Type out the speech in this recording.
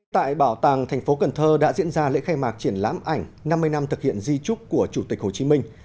tại bảo tàng tp cn đã diễn ra lễ khai mạc triển lãm ảnh năm mươi năm thực hiện di trúc của chủ tịch hồ chí minh